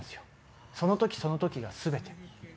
その時その時が全て。